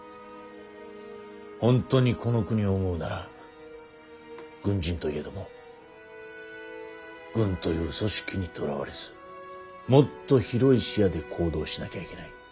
本当にこの国を思うなら軍人といえども軍という組織にとらわれずもっと広い視野で行動しなきゃいけない。